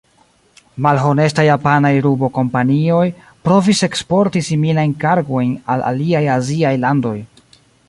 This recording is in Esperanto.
Malhonestaj japanaj rubo-kompanioj provis eksporti similajn kargojn al aliaj aziaj landoj.